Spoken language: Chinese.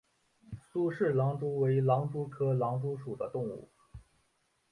苏氏狼蛛为狼蛛科狼蛛属的动物。